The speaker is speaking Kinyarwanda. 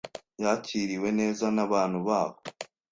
Yakiriwe neza n'abantu baho.